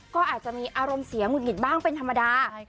ก็อาจจะมีอารมณ์เสียหงุดหงิดบ้างเป็นธรรมดา